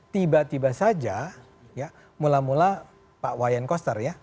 tiba tiba saja mula mula pak wayan koster